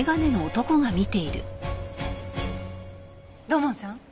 土門さん